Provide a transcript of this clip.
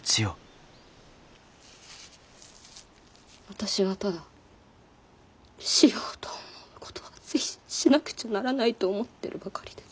私はただしようと思うことは是非しなくちゃならないと思ってるばかりです。